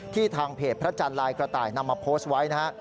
ทางเพจพระจันทร์ลายกระต่ายนำมาโพสต์ไว้นะฮะ